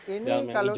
ini kalau ini